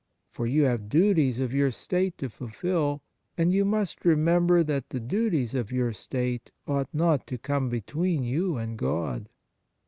For you have the duties of your state to fulfil, and you must re member that the duties of your state ought not to come between you and God.